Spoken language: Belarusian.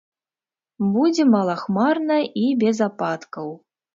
Будзе малахмарна і без ападкаў.